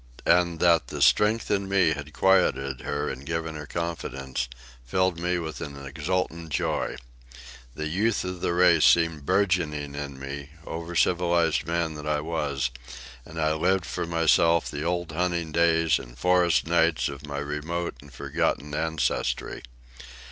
And that the strength in me had quieted her and given her confidence, filled me with an exultant joy. The youth of the race seemed burgeoning in me, over civilized man that I was, and I lived for myself the old hunting days and forest nights of my remote and forgotten ancestry.